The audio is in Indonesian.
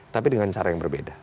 tapi dengan cara yang berbeda